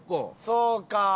そうか。